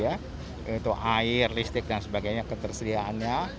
yaitu air listrik dan sebagainya ketersediaannya